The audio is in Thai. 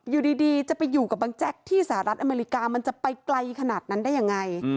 อยู่ดีจะไปอยู่กับบังแจ๊กที่สหรัฐอเมริกามันจะไปไกลขนาดนั้นได้ยังไง